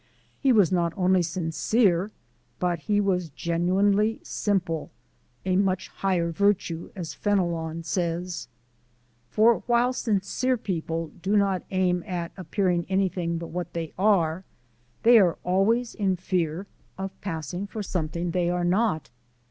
He was not only sincere, but he was genuinely simple a much higher virtue, as Fenelon says. For while sincere people do not aim at appearing anything but what they are, they are always in fear of passing for something they are not.